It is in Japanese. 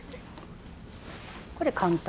これ簡単。